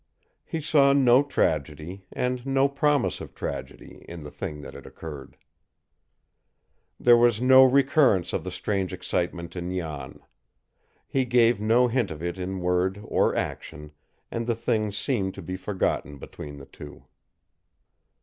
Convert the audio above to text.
He saw no tragedy, and no promise of tragedy, in the thing that had occurred. There was no recurrence of the strange excitement in Jan. He gave no hint of it in word or action, and the thing seemed to be forgotten between the two.